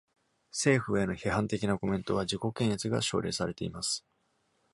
政府への批判的なコメントは、自己検閲が奨励されています。